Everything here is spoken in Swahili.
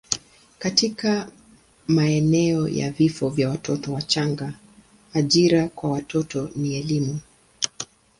katika maeneo ya vifo vya watoto wachanga, ajira kwa watoto na elimu.